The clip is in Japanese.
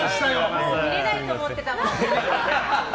もう見れないと思ってたもん。